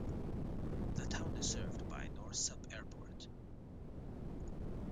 The town is served by Norsup Airport.